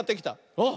あっ！